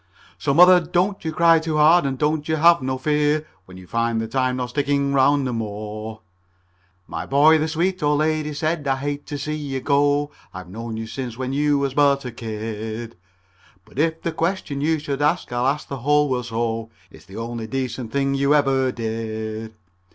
So, mother, don't you cry too hard, and don't you have no fear When you find that I'm not sticking 'round no more." "My boy," the sweet old lady said, "I hate to see you go. I've knowed you since when you was but a kid, But if the question you should ask, I'll tell the whole world so It's the only decent thing you ever did."